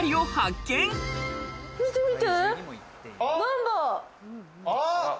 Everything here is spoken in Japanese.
見て見て！